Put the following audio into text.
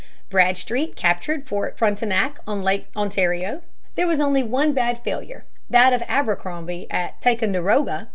Bradstreet captured Fort Frontenac, on Lake Ontario. There was only one bad failure, that of Abercrombie at Ticonderoga.